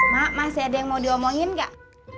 mak masih ada yang mau diomongin nggak